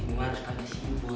ini mah cuman isi gue